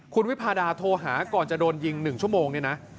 คุณวิพาดาโทรหาก่อนจะโดนยิง๑ชั่วโมงเนี่ยนะ